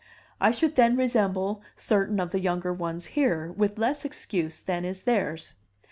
I should then resemble certain of the younger ones here, with less excuse than is theirs.